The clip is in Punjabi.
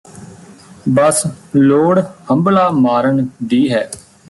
ਬਸ ਲੋੜ ਹੰਭਲਾ ਮਾਰਨ ਦੀ ਹੈ